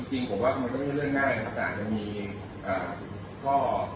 ทั้งตัวส่วนรัฐที่เลือนเด็กด้วย